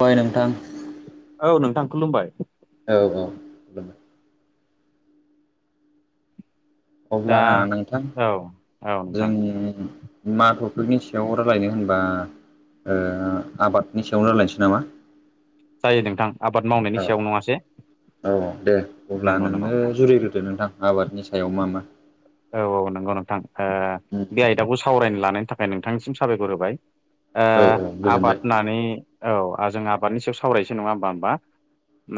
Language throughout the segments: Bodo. बाय नोंथां औ नोंथां खुलुमबाय औ औ खुलुमबाय दा अब्ला नोंथां औ औ नोंथां जोंनि मा टपिकनि सायाव रायलायनो होनबा ओ आबादनि सायावनो रायलायनोसै नामा? जायो नोंथां आबाद मावनायनि औ सायाव नङासै औ दे अब्ला नंगौ नंगौ नोंनो जुरिग्रोदो नोंथां आबादनि सायाव मा मा औ औ नंगौ नोंथां बे आयदाखौ सावरायनो लानायनि थाखाय नोंथांनिसिम साबायखर होबाय। आ औ आबाद गोजोनबाय होननानै औ जों आबादनि सायाव सावरायसै नङा होमबा होमबा?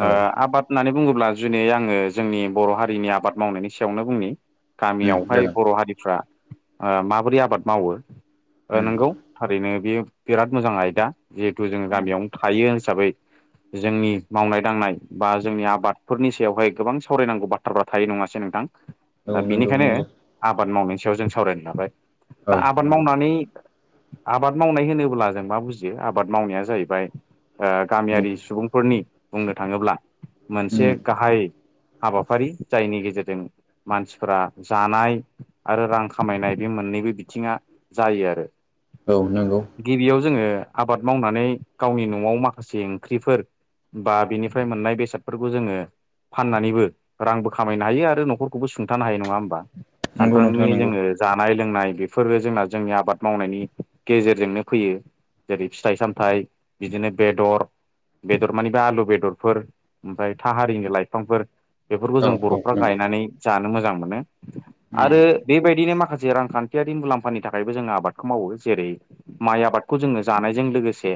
आ औ आबाद होननानै बुङो ब्ला जुनै आङो जोंनि बर' हारिनि आबाद मावनायनि सायावनो बुंनि उम गामियावहाय जागोन बर' हारिफ्रा माबोरै आबाद मावो। नंगौ थारैनो बे बिराद मोजां आयदा जिहेथु जोङो उम उम गामियावनो थायो हिसाबै जोंनि मावनाय दांनाय बा जोंनि आबादफोरनि सायावहाय गोबां सावरायनांगौ बाथ्राफ्रा थायो नङासै नों थां दा औ नंगौ बिनिखायनो नंगौ आबाद मावनायनि सायाव जों सावरायनो लाबाय औ दा आबाद नंगौ मावनानै आबाद मावनाय होनोब्ला जों मा बुजियो आबाद मावनाया जाहैबाय गामियारि उम सुबुंफोरनि बुंनो थाङोब्ला मोनसे उम गाहाय हाबाफारि जायनि गेजेरजों मानसि फोरा जानाय आरो रां खामायनाय बे मोननैबो बिथिङा जायो आरो औ नंगौ गिबियाव जोङो आबाद मावनानै गावनि न'आव माखासे ओंख्रिफोर बा बिनिफ्राय मोननाय बेसादफोरखौ जोङो फाननानैबो रांबो खामायनो हायो आरो न'खरखौबो सुं थानो हायो नङा होमबा नंगौ नोंथां सानफ्रोमनि नंगौ जोङो जानाय लोंनाय बेफोरो जोंना जोंनि आबाद मावनायनि गेजेरजोंनो फैयो। जेरै फिथाइ सामथाइ बिदिनो बेदर बेदर मानिबा आलु बेदरफोर ओमफ्राय थाहारिनि लाइफांफोर बेफोरखौ औ जों औ बर'फ्रा नंगौ गायनानै जानो मोजां मोनो उम आरो बेबायदिनो माखासे जे रांखान्थियारि मुलाम्फानि थाखायबो जोङो आबादखौ मावो जेरै माइ आबादखौ जोङो जानायजों लोगोसे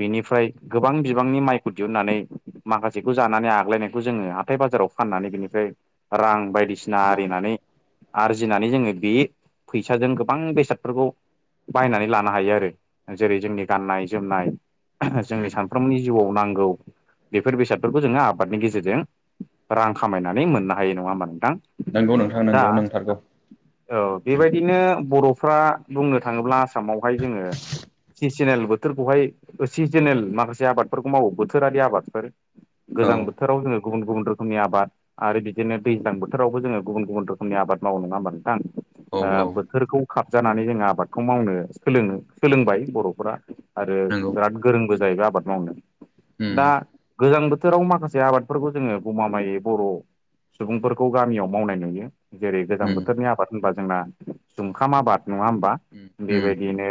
बिनिफ्राय गोबां बिबांनि माइखौ दिहुननानै माखासेखौ जानानै आग्लायनायखौ जोङो हा थाइ बाजाराव फाननानै बिनिफ्राय रां बायदिसिना नंगौ आरिनानै आरजिनानै जोङो बे फैसाजों गोबां बेसादफोरखौ बायनानै लानो हायो आरो जेरै जोंनि गाननाय जोमनाय उम जोंनि सानफ्रोमनि जिउआव नां गौ बेफोर बेसादफोरखौ जोङो आबादनि गेजेरजों रां खामायनानै मोना [unintelligible] हायो नङा होमा नोंथां नंगौ नोंथां दा नंगौ नंथारगौ बेबायदिनो बर' फ्रा बुंनो थाङोब्ला आसामावहाय जोङो सिजोनेल बोथोरखौहाय सिजोनेल माखासे आबादफोरखौ मावो बोथोरारि आबादफोर औ गोजां बोथोराव जोङो गुबुन गुबुन रोखोमनि आबाद आरो बिदि नो दैज्लां बोथोरावबो जोङो गुबुन गुबुन रोखोमनि आबाद मावो नङा होमबा नोंथां औ औ बोथोरखौ खा जानानै जोङो आबादखौ मावनो सोलोङो सोलोंबाय बर'फोरा आरो नंगौ बिराद गोरोंबो जाहैबाय आबाद मावनो उम दा गोजां बोथो बोथोराव माखासे आबादफोरखौ जोङो गमामायै बर' सुबुंफोरखौ गामियाव मावनाय नुयो जेरै गोजां उम बोथोरनि आबाद होनबा जोंना जुंखाम आबाद नङा होमबा उम उम बेबायदिनो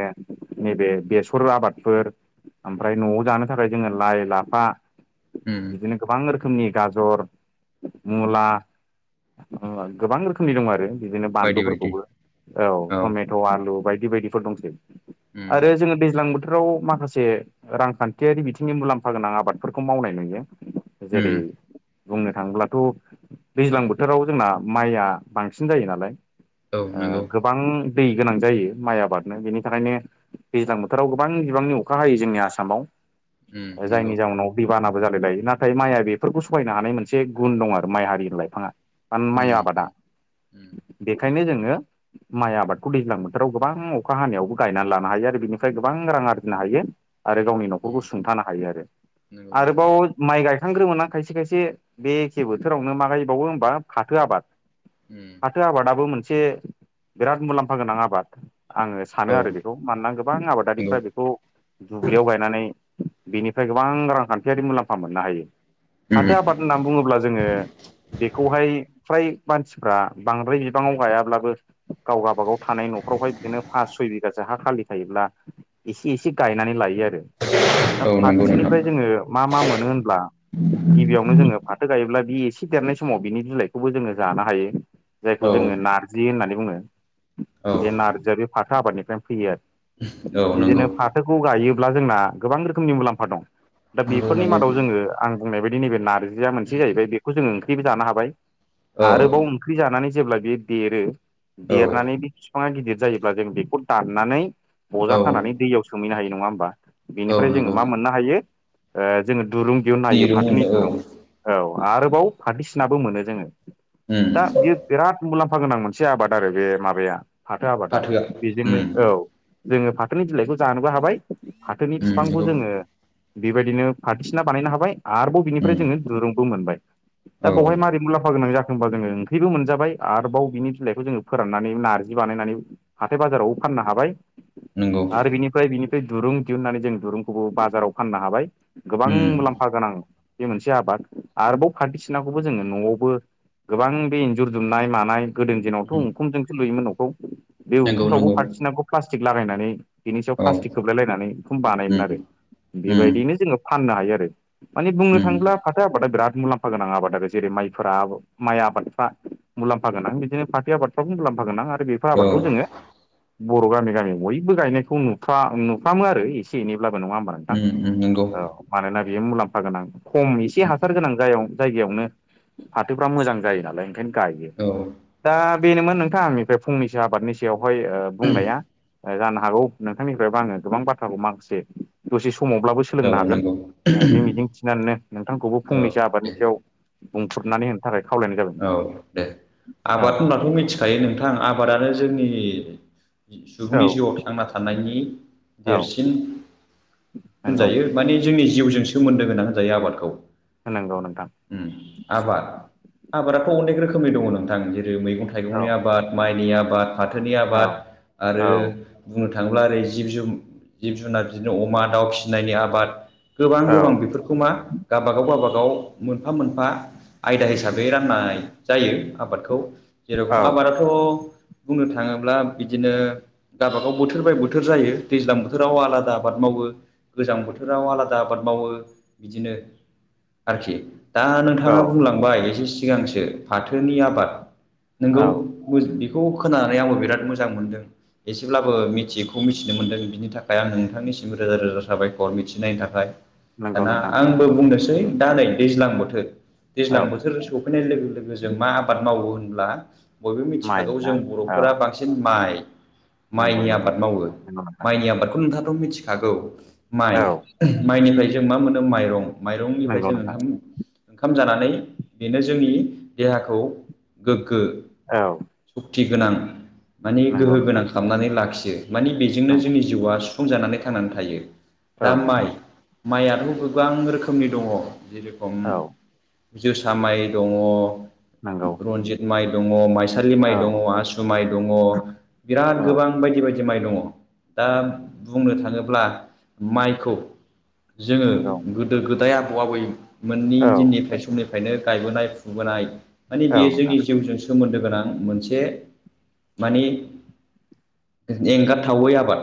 नैबे बेसर आबादफोर ओमफ्राय न'आव जानो थाखाय जोङो लाइ लाफा उम बिदिनो गोबां रोखोमनि गाजर मुला गोबां रोखोमनि दं आरो बिदिनो बायदि बायदि बानलुफोरखौबो औ टमेट' आलु बायदि बायदिफोर दंसै उम आरो जोङो दैज्लां बोथ थोराव माखासे रांखान्थियारि बिथिंनि मुलामफा गोनां आबादफोरखौ मावनाय नुयो। जेरै उम बुंनो थाङोब्लाथ' दैज्लां बोथोराव जोंना माइया बांसिन जायो नालाय औ नंगौ गोबां दै गोनां जायो माइ आबादनो बेनि थाखायनो दैज्लां बोथोराव गोबां बिबांनि अखा हायो जोंनि आसामाव उम नंगौ जायनि जाउनाव दैबाना जानायलाय नाथाय माइया बेफोरखौ सहायनो हानाय मोनसे गुन दं आरो माइ हारि लाइफाङा माइ उम आबादा उम उम बेखौ ओंखायनो जोङो माइ आबादखौ दैज्लां बोथोराव गोबां अखा हानायावबो गायनानै लानो हायो आरो बिनिफ्राय गोबां रां आरजिनो हायो आरो गावनि न'खरखौ उम सुंथानो हायो आरो नंगौ नंगौ आरोबाव माइ गाय ग्रोमोना खायसे खायसे बे एखे बोथोरावनो मा गायबावो होनबा फाथो आबाद उम फाथो आबादाबो मोनसे बिराद मुलामफा गोनां आबाद आङो सानो औ आरो बेखौ मानोना गोबां नंगौ आबादारिफ्रा बेखौ दुब्लियाव गायनानै बिनिफ्राय गोबां रांखान्थियारि मुलामफा मोननो हायो। फाथो उम आफाद होनना बुङोब्ला जोङो बेखौहाय फ्राय मानसिफ्रा बांद्राय बिबाङाव गायाब्लाबो गाव गावबागाव थानाय न'खरावहाय बिदिनो फास सय बिगासो हा खालि थायोब्ला एसे एसे गायनानै लायो आरो दा औ नंगौ नोंथां फारसेनिफ्राय जोङो मा मा मोनो होनब्ला गिबियावनो जोङो फाथो गायोब्ला बे एसे खि देरनाय समाव बिनि बिलाइखौबो जोङो जानो हायो जायखौ औ जोङो नारजि होननानै बुङो औ बे नारजिआ बे फाथो आबादनिफ्रायनो फैयो आरो औ नंगौ खौ गायोब्ला जोंना गोबां रोखोमनि मुलामफा दं दा नंगौ बेफोरनि नंगौ मादाव जोङो आं बुंनाय बायदि नैबे नारजिया मोनसे जाहैबाय बे खौ जोङो ओंख्रिबो जानो हाबाय औ आरोबाव ओंख्रि जानानै जेब्ला बेयो देरो औ देरनानै बे बिफाङा गिदिर जायोब्ला जों बेखौ दाननानै बजा औ खानानै दैयाव सोमहैनो हायो नङा होमबा औ बेनिफ्राय जोङो नंगौ मा मोननो हायो जोङो दुरुं दिहुननो हायो दिरुं फाथोनि होनो औ दुरुं औ आरोबाव फाथोसिनाबो मोनो जोङो दा उम बियो बिराद मुलामफा गोनां मोनसे आबाद आरो बे माबाया फाथो आबादा फाथोआ बेजोंनो उम औ जोङो फाथोनि बिलाइखौ जानोबो हाबाय फाथोनि उम बिफांखौ नंगौ जोङो बेबायदिनो फाथोसिना बानायनो हाबाय आरोबाव बिनिफ्राय उम जोङो दुरुंबो मोनबाय दा औ बेवहाय मारै मु्लामफा गोनां जाखो होनबा जोङो ओंख्रिबो मोनजाबाय आरोबाव बिनि बिलाइखौ जोङो फोराननानै नार जि बानायनानै हाथाय बाजारावबो फाननो हाबाय नंगौ आरो बिनिफ्राय बिनिफ्राय दुरुं दिहुननानै जों दुरुंखौबो बाजाराव फाननो हाबाय गोबां उम मुलामफा जा नां बे मोनसे आबाद आरोबाव फाथो सिनाखौबो जोङो न'आवबो गोबां बे इन्जुर दुमनाय मानाय गोदोनि दिनावथ' उम उखुमजोंसो लुयोमोन न'खौ बे नंगौ उखुंफ्रावबो नंगौ फाथोसिनाखौ प्लास्टिक लागायनानै बेनि सायाव औ प्लास्टिक खोबलायलायनानै बेखौनो बानायमोन आरो उम उम बेबायदिनो जोङो फाननो हायो आरो माने बुंनो उम थाङोब्ला फाथो आबादा बिराद मुलामफा गोनां आबाद आरो जेरै माइफोरा माइ आबादफ्रा मुलाम्फा गोनां बिदिनो फाथो आबादफ्रावबो मुलाम्फा गोनां आरो बेफोर औ आबादखौ जोङो उम बर' गामि गामि बयबो गायनायखौ नुफ नुफ्रामो आरो एसे एनैब्लाबो नङा होमबा नोंथां उम नंगौ औ मानोना बेयो मुलाम्फा गोनां खम एसे उम हासार गोनां जायगायाव जायगायावनो फाथोफ्रा मोजां जायो नालाय ओंखायनो गायो औ दा बेनोमोन नोंथां आंनिफ्राय फंनैसो आबादनि सायावहाय बुंनाया जानो हागौ नोंथांनिफ्रायबो आङो गोबां बाथ्राखौ माखासे दसे समावब्लाबो औ सोलोंनो हागोन नंगौ बे मिजिं थिनानैनो नोंथांखौबो औ दे फंनैसो आबादनि खायाव बुंथबनानै होनो थाखाय खावलायनाय जाबाय औ नोंथां दे औ आबाद होनब्लाथ' मिथिखायो नोंथां आबादानो जोंनि सुबुंनि औ जिउआव थांना थानायनि औ देरसिन नंगौ होनजायो माने जोंनि जिउजों सोमोन्दो गोनां होनजायो आबादखौ नंगौ नोथां उम आबाद आबादाथ' अनेक रोखोमनि दङ नोंथां जेरै मैगं औ थाइगंनि आबाद माइनि आबाद फाथोनि औ आबाद औ आरो बुंनो थ थांब्ला ओरै जिब जुन जिब जुनार बिदिनो अमा दाउ फिसिनायनि आबाद गोबां औ गोबां बेफोरखौ मा गावाबागाव गावाबागाव मोनफा मोनफा आयदा हिसाबै ब राननाय जायो आबादखौ जेरखम औ आबादाथ' बुंनो थाङोब्ला बिदिनो गाबागाव बोथोर बाय बोथोर जायो दैज्लां बोथोराव आलादा आबाद मावो मावो गोजां बोथोराव आलादा आबाद मावो बिदिनो आरोखि दा औ नोंथाङा बुंलांबाय एसे सिगांसो फाथोनि आबाद नंगौ औ बेखौ खोनानानै आंबो बिराद मोजां मोनदों एसेब्लाबो मिथियैखौ मिथिनो मोनदों बिनि थाखाय आं नोंथांनि सिम रोजा रोजा साबायखर मिथिनायनि थाखाय नंगौ दाना नोंथां आंबो नंगौ बुंनोसै दा नै दैज्लां बोथोर दैज्लां औ बोथोर स लोगो लोगो जों मा आबाद मावो होनब्ला बयबो माइ मिथिखागौ ना जों औ बर'फोरा बांसिन माइ नंगौ माइनि नंगौ आबाद मावो नंगौ नोंथां माइनि आबादखौ नोंथाङाथ' मिथिखागौ माइ औ माइनिफ्राय जों मा मोनो माइरं माइरंनिफ्राय नंगौ जों नोंथां ओंखाम ओंखाम जानानै बेनो जोंनि देहाखौ गोग्गो औ सकथि गोनां माने नंगौ गोहो गोनां नोंथां खालामनानै लाखियो मानि बेजोंनो नंगौ जोंनि जिउआ जानानै थांनानै थायो दा औ माइ नोंथां माइआथ' गोबां रोखोमनि दङ जेरखम औ जोसा माइ दङ नंगौ रनजित माइ दंङ माइसालि माइ औ दङ आसु माइ दङ बिराद औ गोबां बायदि बायदि माइ दा बुंनो थाङोब्ला माइखौ जोङो नंगौ गोदो गोदाय आबौ आबैमोननि औ दिननिफ्राय समनिफ्राय नो गायबोनाय फुबोनाय माने औ बेयो नोंथां जोंनि जिउजों सोमोन्दो गोनां मोनसे माने एंगारथावै आबाद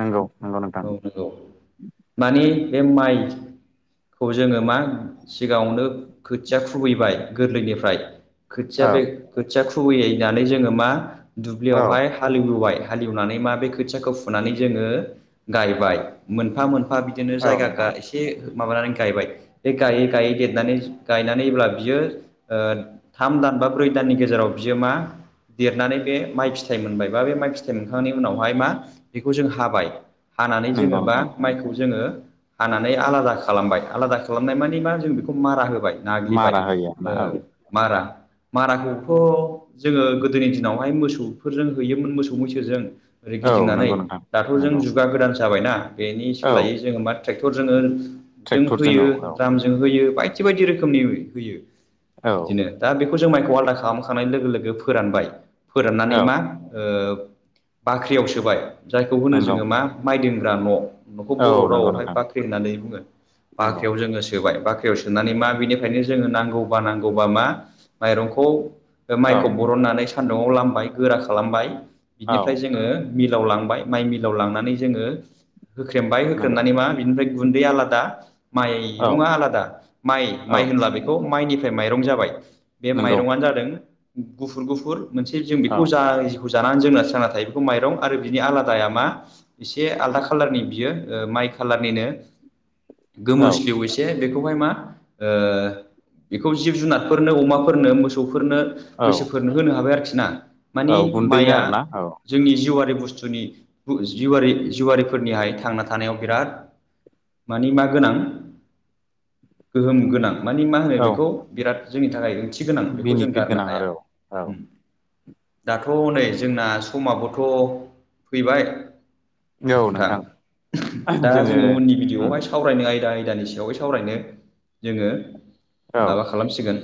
नंगौ नंगौ नोंथां औ नंगौ मानि बे माइखौ जोङो मा सिगाङावनो खोथिया खुबैबाय गोरलैनिफ्राय खोथिया औ बे खोथिया खुबैयैनानै जोङो मा औ दुब्लियावहाय हालेवबोबाय हालेवनानै मा बे खोथियाखौ फुनानै जोङो गायबाय मोनफा मोनफा एफा बिदिनो औ नोंथां जायगा एसे माबानानै गायबाय बे गायै गायै देरनानै गायनानैब्ला बियो थाम दान बा ब्रै दाननि गेजेराव बियो मा देरनानै बे माइ फिथाइ मोनबाय बा बे माइ फिथाइ मोनखांनायनि उनावहाय मा बेखौ जों हाबाय हानानै जोङो नंगौ बा नोंथां माइखौ जोङो हानानै आलादा खालामबाय आलादा खालामनाय मानि मा जों बेखौ मारा होबाय नाग्लिबाय मारा होयो आरोना औ मारा माराखौथ' जोङो गोदोनि दिनावहाय मोसौफोरजों हैयोमोन मोसौ मैसोजों ओरै औ गिदिंनानै नंगौ नोंथां दाथ' जों नंगौ जुगा गोदान जाबायना बेनि औ सोलायै जोङो मा ट्रेक्टर जों ट्रेक्टरजों होयो औ द्रामजों होयो बायदि बायदि रोखोमनि होयो औ बिदिनो दा बेखौ जों माइखौ आलदा खालामखांनाय लोगो लोगो फोरानबाय फोराननानै औ मा ओ बाख्रियाव सोबाय जायखौ होनो नंगौ जोङो मा माइदिं ग्रा न' न'खौ औ बर' नंगौ रावावहाय नोंथां बाख्रि होननानै बुङो नंगौ बाख्रियाव जोङो सोबाय बाख्रि याव सोनानै मा बिनिफ्रायनो जोङो नांगौबा नांगौबा मा माइरंखौ औ माइखौ बरननानै सानदुङाव लामबाय गोरा खालामबाय औ बिनिफ्राय जोङो मिलाव लांबाय माइ मिलाव लांनानै जोङो होख्रेमबाय नंगौ होख्रेमनानै मा बिनिफ्राय गुनदैया आलादा औ माइरंया आलादा माइ औ माइ होनब्ला बेखौ माइनिफ्राय माइरं जाबाय बे नंगौ माइरंनो जादों गुफुर गुफुर मोनसे जों औ बेखौ जा जानानै जोंना सांना थायो बेखौ माइरं आरो बिनि आलादाया मा एसे आलादा कालारनि बियो माइ खालारनिनो नि औ गोमोसलिउ एसे बेखौहाय मा ओ बेखौ जिब जुनारफोरनो अमाफोरनो मोसौफोरनो औ मैसोफोरनो होनो हाबाय आरोखि ना औ मानि गुन्दैनो माइया आरोना औ जोंनि जिउआरि बुसथु जोंनि जिवारिफोरनिहाय थांना थानायाव बिराद माने मा गोनां गोहोम गोनां मानि मा होनो औ बेखौ बिराद जोंनि थाखाय रथि [unintelligible] थि गोनां बेखौ जों बेनिफिट गारनो गोनां हाया आरो औ दाथ' नै जोंना समाबोथ' फैबाय औ औ नोंथां नोंथां दा जोङो उननि उम भिडिय'आवहाय सावरायनो आयदा आयदानि सायावै सावरायनो जोङो औ माबा खालामसिगोन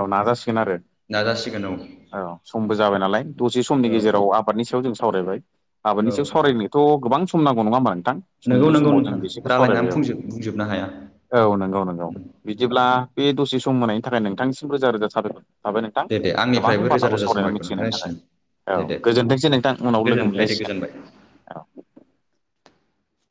औ नाजासिगोन आरो नाजासिगोन औ औ समबो जाबाय नालाय दसे समनि औ गेजेराव आबादनि सायाव जों सावरायबाय औ आबादनि सायाव औ सावरायनायथ' गोबां सम नांगौ नङा होमबा नोंथां नंगौ सुंद' नंगौ समाव जों नोंथां बिसोरखौ रायलायनानै सावरायबाय औ बुंजोब बुंजोबनो हाया औ नंगौ नंगौ बि नंगौ दिब्ला बे दसे सम होनायनि थाखाय नोंथांनिसिम रोजा रोजा साबायखर थाबाय नोंथां दे दे गोबां आंनिफ्रायबो रोजा बाथ्राखौ रोजा सावरायनानै साबायखर मिथिहोनायनि नोंथांनिसिम थाखाय औ दे दे गोजोनथोंसै नोंथां उनाव लोगो गोजोनबाय दे मोनलायसिगोन गोजोनबाय औ